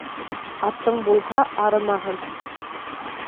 Атың булһа, арымаһын.